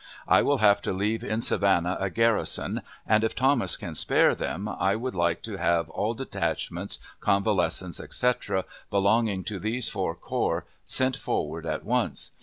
I will have to leave in Savannah a garrison, and, if Thomas can spare them, I would like to have all detachments, convalescents, etc., belonging to these four corps, sent forward at once.